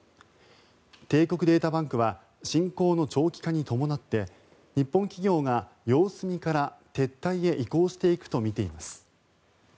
帝国データバンクは侵攻の長期化に伴って日本企業が様子見から撤退へ移行していくとみています。